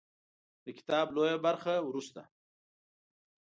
د کتاب لویه برخه وروسته